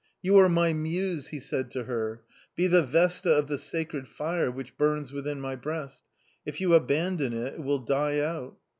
" You are my muse," he said to her ;" be the Vesta of the sacred fire which burns within my breast ; if you abandon it, it will die out."